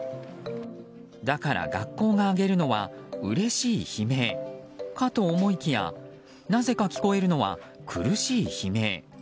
だから学校が上げるのはうれしい悲鳴かと思いきやなぜか聞こえるのは苦しい悲鳴。